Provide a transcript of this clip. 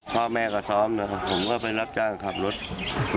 พ่อแม่ก็ซ้อมนะครับผมก็ไปรับจ้างขับรถ